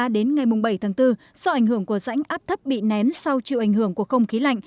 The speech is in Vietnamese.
do ảnh hưởng của rãnh áp thấp bị nén sau chịu ảnh hưởng của không khí lạnh